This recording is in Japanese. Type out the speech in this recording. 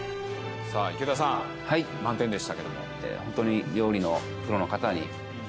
さあ池田さん満点でしたけども。